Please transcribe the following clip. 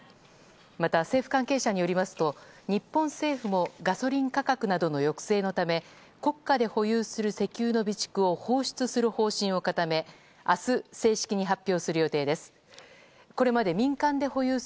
また政府関係者によりますと日本政府もガソリン価格などの抑制のため国家で保有する石油の備蓄を放出する方針を固め明日、正式に発表する予定です。